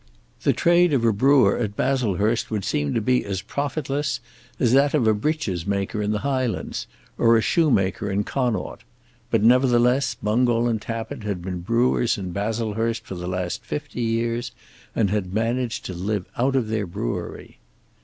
The trade of a brewer at Baslehurst would seem to be as profitless as that of a breeches maker in the Highlands, or a shoemaker in Connaught; but nevertheless Bungall and Tappitt had been brewers in Baslehurst for the last fifty years, and had managed to live out of their brewery.